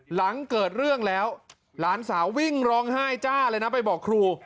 หลังเกิดเรื่องแล้วหลานสาววิ่งร้องไห้จ้าเลยนะไปบอกครู